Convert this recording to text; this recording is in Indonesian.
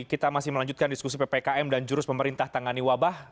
kita masih melanjutkan diskusi ppkm dan jurus pemerintah tangani wabah